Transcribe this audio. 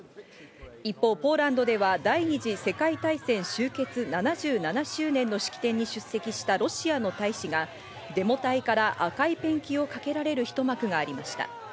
一方、ポーランドでは第二次世界大戦終結７７周年の式典に出席したロシアの大使がデモ隊から赤いペンキをかけられる一幕がありました。